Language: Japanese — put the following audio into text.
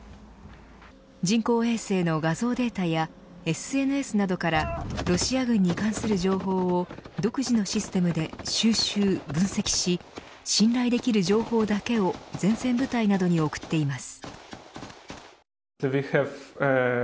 人工衛星の画像データやＳＮＳなどからロシア軍に関する情報を独自のシステムで収集、分析し信頼できる情報だけを前線部隊などに送っています。